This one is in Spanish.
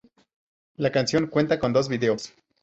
La canción cuenta con dos videos.